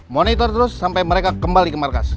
monitor terus sampai mereka kembali ke markas